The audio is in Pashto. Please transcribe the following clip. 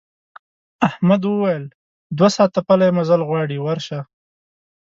احمد وویل دوه ساعته پلی مزل غواړي ورشه.